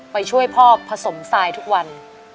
ไปช่วยพ่อผสมทรายทุกวัน